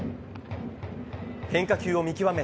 変化球を見極め